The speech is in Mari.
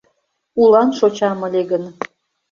Улан шочам ыле гын